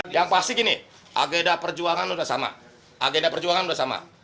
yang pasti gini ageda perjuangan sudah sama